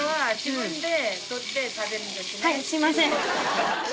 はいすいません。